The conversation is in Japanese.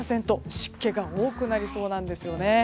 湿気が多くなりそうなんですね。